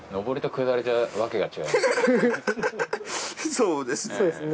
そうですね。